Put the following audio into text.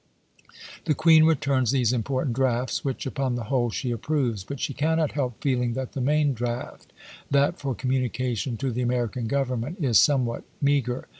The Queen returns these important drafts, which upon the whole she approves ; but she cannot help feehng that the main draft — that for communication to the American Government — is somewhat meager.